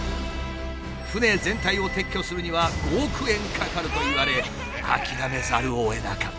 船全体を撤去するには５億円かかると言われ諦めざるをえなかった。